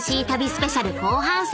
スペシャル後半戦］